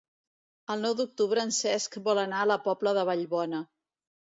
El nou d'octubre en Cesc vol anar a la Pobla de Vallbona.